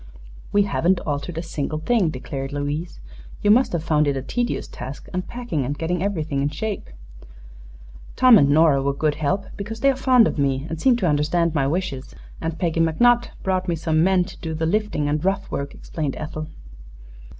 "We haven't altered a single thing," declared Louise. "You must have found it a tedious task, unpacking and getting everything in shape." "Tom and Nora were good help, because they are fond of me and seem to understand my wishes; and Peggy McNutt brought me some men to do the lifting and rough work," explained Ethel.